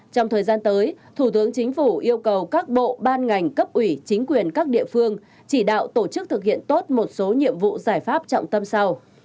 trong thời gian tới thủ tướng chính phủ yêu cầu các bộ ban ngành cấp ủy chính quyền các địa phương chỉ đạo tổ chức thực hiện tốt một số nhiệm vụ giải pháp trọng tâm sau